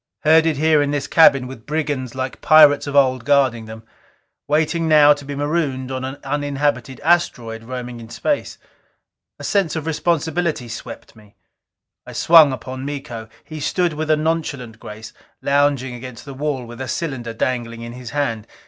Herded here in this cabin, with brigands like pirates of old, guarding them. Waiting now to be marooned on an uninhabited asteroid roaming in space. A sense of responsibility swept me. I swung upon Miko. He stood with a nonchalant grace, lounging against the wall with a cylinder dangling in his hand.